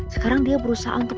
sekarang dia berusaha membuang meka